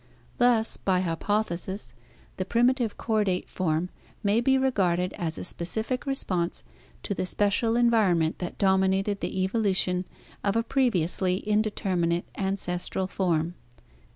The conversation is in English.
Thus, by hypothesis, the primi tive chordate form may be regarded as a specific response to the special environment that dominated the evolution of a previously indeterminate ancestral form."